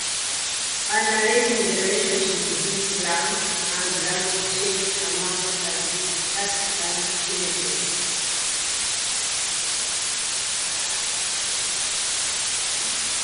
Analyzing the relationship between slang and language change among Kazakhstani teenagers.